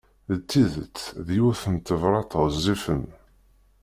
D tidet, d yiwet n tebrat ɣezzifen.